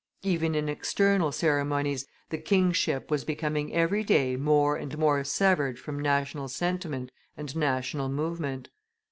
Even in external ceremonies, the kingship was becoming every day more and more severed from national sentiment and national movement.